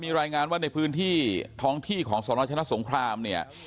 มีรายงานว่าในพื้นที่ท้องที่ของสนชนะสงครามเนี่ย